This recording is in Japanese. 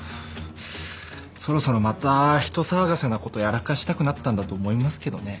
そろそろまた人騒がせなことやらかしたくなったんだと思いますけどね。